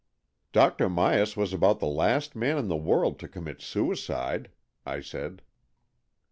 " Dr. Myas was about the last man in the world to commit suicide/' I said.